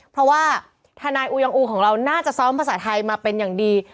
เพราะว่าทนายอูยองอูของเราน่าจะซ้อมภาษาไทยมาเป็นอย่างดี